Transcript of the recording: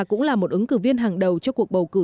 cũng là một ứng cử viên hàng đầu cho cuộc bầu cử